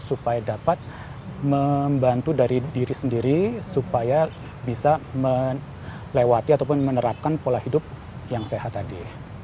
supaya dapat membantu dari diri sendiri supaya bisa melewati ataupun menerapkan pola hidup yang sehat tadi